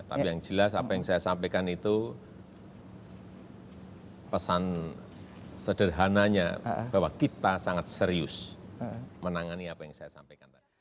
tapi yang jelas apa yang saya sampaikan itu pesan sederhananya bahwa kita sangat serius menangani apa yang saya sampaikan tadi